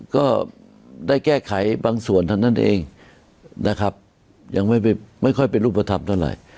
ก็ได้แก้ไขบางส่วนเท่านั้นเองนะครับยังไม่ค่อยเป็นรูปธรรมเท่าไหร่